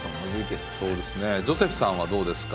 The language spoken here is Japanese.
ジョセフさんはどうですか？